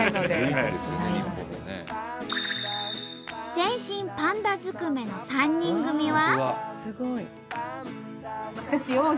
全身パンダずくめの３人組は。